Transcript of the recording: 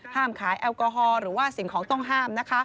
ขายแอลกอฮอล์หรือว่าสิ่งของต้องห้ามนะคะ